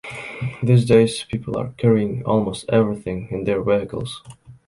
These days, people are carrying almost everything in their vehicles.